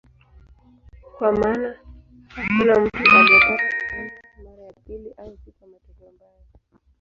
Kwa maana hakuna mtu aliyepata ugonjwa mara ya pili, au si kwa matokeo mbaya.